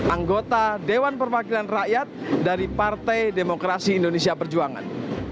anggota dewan perwakilan rakyat dari partai demokrasi indonesia perjuangan